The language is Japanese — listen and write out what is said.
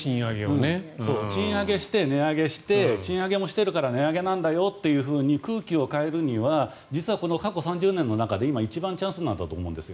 賃上げして値上げして賃上げもしているから値上げなんだよと空気を変えるには実はこの過去３０年の中で一番チャンスだと思います。